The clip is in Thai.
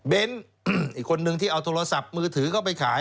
อีกคนนึงที่เอาโทรศัพท์มือถือเข้าไปขาย